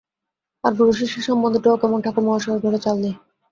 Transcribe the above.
আর গুরু-শিষ্যের সম্বন্ধটাও কেমন! ঠাকুর-মহাশয়ের ঘরে চাল নেই।